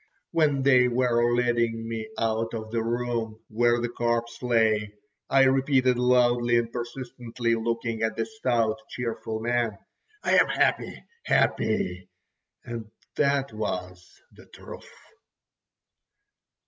When they were leading me out of the room where the corpse lay, I repeated loudly and persistently, looking at the stout, cheerful man: "I am happy, happy!" And that was the truth.